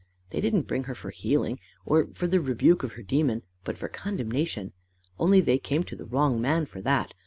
They didn't bring her for healing or for the rebuke of her demon, but for condemnation, only they came to the wrong man for that.